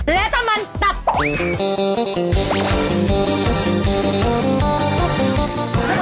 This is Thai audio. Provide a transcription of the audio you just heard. และตับมันตับ